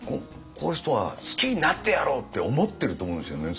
こういう人は好きになってやろうって思ってると思うんですよね。